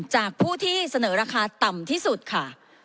จากผู้ที่เสนอราคาต่ำที่สุดค่ะ